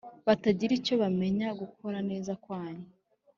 batagira icyo bamenya, gukora neza kwanyu.